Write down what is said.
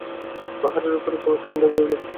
পাহাড়ের ওপরে কোনো ঠাণ্ডা জায়গায়।